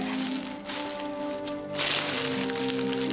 lebih lebih lagi in